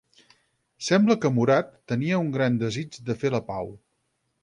Sembla que Murat tenia un gran desig de fer la pau.